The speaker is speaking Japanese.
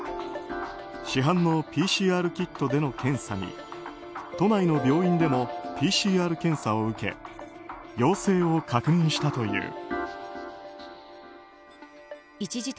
市販のＰＣＲキットでの検査に都内の病院でもＰＣＲ検査を受け陽性を確認したという。